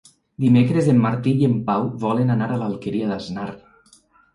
Dimecres en Martí i en Pau volen anar a l'Alqueria d'Asnar.